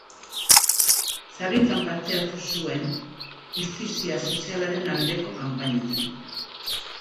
Sarritan parte hartu zuen justizia sozialaren aldeko kanpainetan.